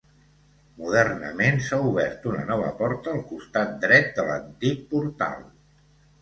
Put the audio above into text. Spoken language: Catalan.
Modernament s'ha obert una nova porta al costat dret de l'antic portal.